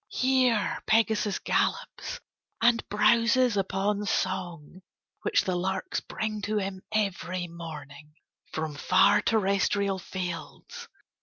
Here Pegasus gallops and browses upon song which the larks bring to him every morning from far terrestrial fields.